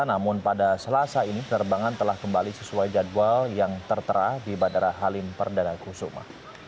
namun pada selasa ini penerbangan telah kembali sesuai jadwal yang tertera di bandara halim perdana kusuma